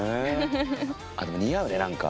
あっでも似合うね何か。